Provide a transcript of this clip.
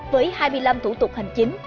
với hai mươi năm thủ tục hành chính